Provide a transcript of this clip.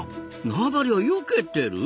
縄張りをよけてる？